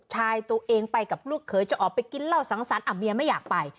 ชายตัวเองไปกับลูกเขยจะออกไปกินเหล้าสังสรรค์เมียไม่อยากไป